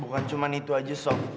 bukan cuma itu saja sof